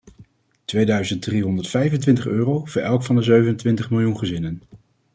Tweeduizend driehonderdvijfenvijftig euro voor elk van de zevenentwintig miljoen gezinnen.